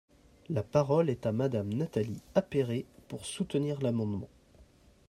La parole est à Madame Nathalie Appéré, pour soutenir l’amendement.